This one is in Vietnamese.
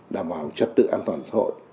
đảm bảo trật tự an toàn xã hội